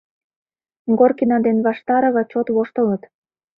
Горкина ден Ваштарова чот воштылыт.